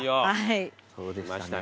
きましたね。